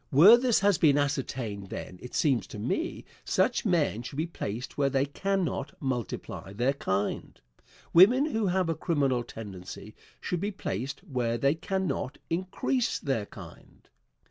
Where this has been ascertained, then, it seems to me, such men should be placed where they cannot multiply their kind. Women who have a criminal tendency should be placed where they cannot increase their kind.